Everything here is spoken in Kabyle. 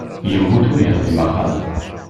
Yemmut ur yexdim axxam.